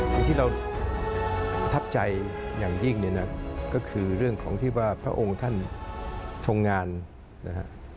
คือที่เราประทับใจอย่างยิ่งเนี่ยนะก็คือเรื่องของที่ว่าพระองค์ท่านทรงงานนะฮะ